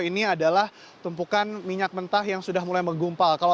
ini adalah tumpukan minyak mentah yang sudah mulai menggumpal